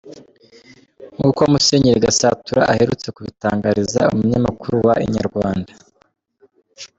Nkuko Musenyeri Gasatura aherutse kubitangariza umunyamakuru wa Inyarwanda.